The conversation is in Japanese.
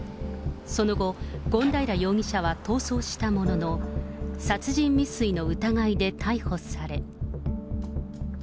その後、権平容疑者は逃走したものの、殺人未遂の疑いで逮捕され。